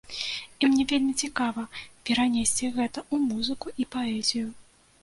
І мне вельмі цікава перанесці гэта ў музыку і паэзію.